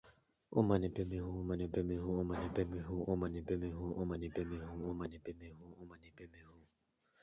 Unlike the well-known Loosemore-Hanby index, the Gallagher index is less sensitive to small discrepancies.